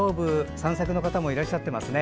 散策の方もいらっしゃってますね。